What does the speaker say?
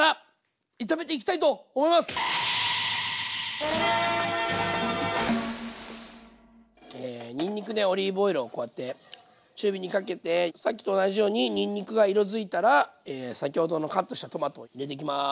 ここからにんにくでオリーブオイルをこうやって中火にかけてさっきと同じようににんにくが色づいたら先ほどのカットしたトマトを入れていきます。